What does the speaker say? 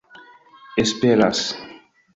esperas